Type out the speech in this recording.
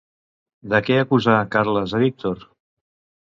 De què acusà Carles a Víctor?